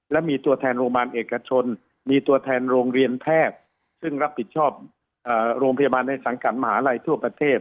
และมีตัวแทนโรงพยาบาลเอกชนมีตัวแทนโรงเรียนแพทย์ซึ่งรับผิดชอบโรงพยาบาลในสังกัดมหาลัยทั่วประเทศ